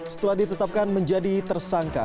setelah ditetapkan menjadi tersangka